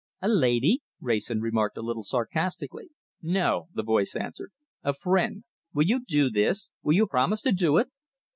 "A lady?" Wrayson remarked a little sarcastically. "No!" the voice answered. "A friend. Will you do this? Will you promise to do it?"